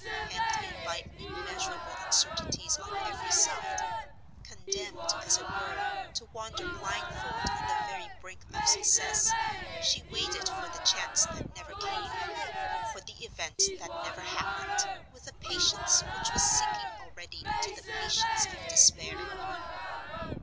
Hemmed in by immeasurable uncertainties on every side; condemned, as it were, to wander blindfold on the very brink of success, she waited for the chance that never came, for the event that never happened, with a patience which was sinking already into the patience of despair.